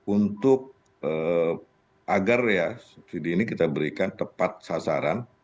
untuk agar ya subsidi ini kita berikan tepat sasaran